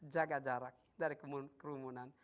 jaga jarak dari kerumunan